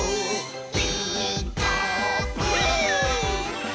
「ピーカーブ！」